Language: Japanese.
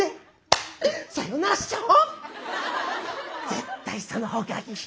絶対その方がいい。